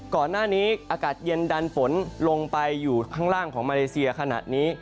ก่อนหน้านี้อากาศเย็นดันฝนลงไปอยู่ข้างล่างของมาเลเซียขณะนี้